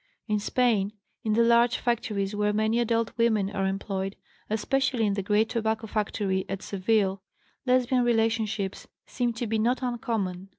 In Spain, in the large factories where many adult women are employed, especially in the great tobacco factory at Seville, Lesbian relationships seem to be not uncommon.